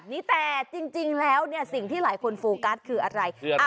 แต่จริงแล้วสิ่งที่หลายคนฟูกัสคืออะไร